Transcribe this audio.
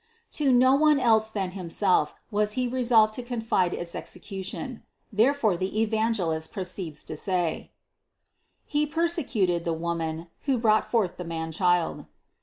To no one else than himself was he resolved to confide its execution. Therefore the Evangelist proceeds to say: 128. "He persecuted the Woman, who brought forth the man child."